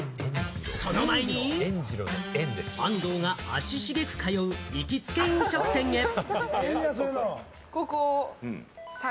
その前に、安藤が足しげく通う行きつけ飲食店へと。